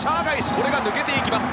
これが抜けていきます。